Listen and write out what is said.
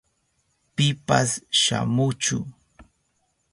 Pipas shamuchu.